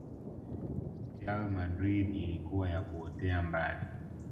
Real Madrid ilikuwa ya kuotea mbali